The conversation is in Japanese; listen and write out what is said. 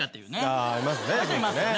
あぁありますね。